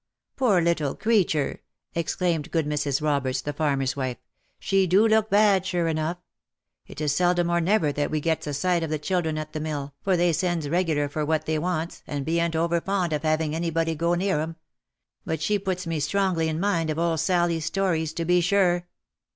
" Poor little creature !" exclaimed good Mrs. Roberts, the farmer's wife ;" she do look bad, sure enough ! It is seldom or never that we gets a sight of the children at the mill, for they sends regular for what they wants, and bean't over fond of having any body go near 'em ;— but she puts me strongly in mind of old Sally's stories to be sure